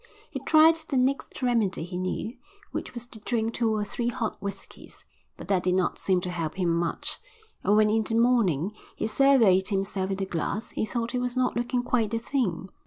He tried the next remedy he knew, which was to drink two or three hot whiskies, but that did not seem to help him much, and when in the morning he surveyed himself in the glass he thought he was not looking quite the thing.